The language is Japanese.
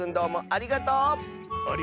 ありがとう！